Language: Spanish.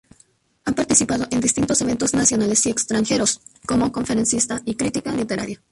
Ha participado en distintos eventos nacionales y extranjeros como conferencista y crítica literaria.